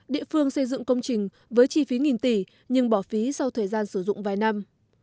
địa phương xây dựng công trình với chi phí nghìn tỷ nhưng bỏ phí sau thời gian sử dụng vài năm